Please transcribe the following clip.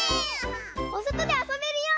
おそとであそべるよ！